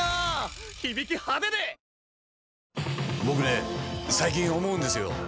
僕ね最近思うんですよ。